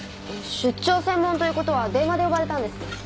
出張専門という事は電話で呼ばれたんですね。